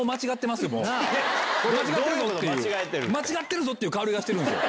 間違ってるぞ！っていう香りがしてるんすよ。